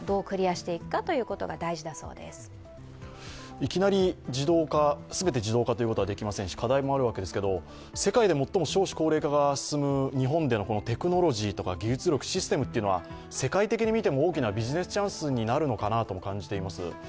いきなり全て自動化ということはできませんし、課題もあるわけですけれども、世界で最も少子高齢化が進む日本でのこのテクノロジーとか技術力、システムというのは世界的に見ても大きなビジネスチャンスになるのかもと感じています。